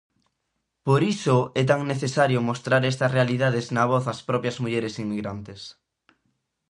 Por iso é tan necesario mostrar estas realidades na voz das propias mulleres inmigrantes.